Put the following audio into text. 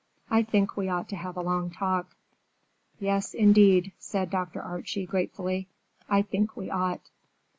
I think we ought to have a long talk." "Yes, indeed," said Dr. Archie gratefully; "I think we ought."